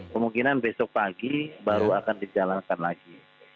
kemungkinan besok pagi baru akan dijalankan lagi